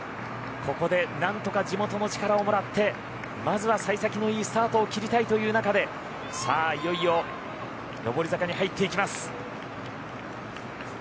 ここで何とか地元の力をもらってまずは幸先のいいスタートを切りたいという中でさあ、いよいよ上り坂に入っていきます。